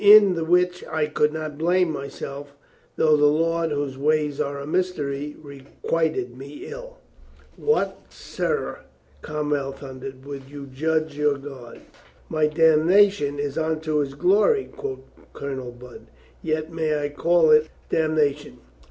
In the which I can not blame myself, though the Lord, Whose ways are a mystery, re quited me ill." "What, sirrah?" Cromwell thundered. "Would you judge your God?" "My damnation is unto His glory," quoth Colonel Budd, "yet may I call it damnation.